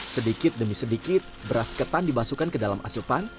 sedikit demi sedikit beras ketan dibasukan ke dalam asurpan